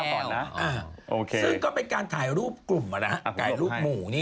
ซึ่งก็เป็นการถ่ายรูปหมู